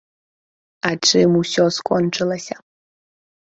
А чым усё скончылася?